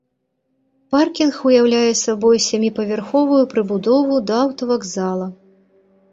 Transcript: Паркінг уяўляе сабой сяміпавярховую прыбудову да аўтавакзала.